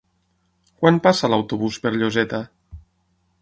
Quan passa l'autobús per Lloseta?